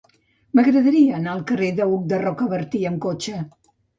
M'agradaria anar al carrer d'Hug de Rocabertí amb cotxe.